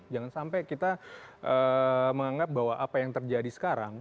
jangan sampai kita menganggap bahwa apa yang terjadi sekarang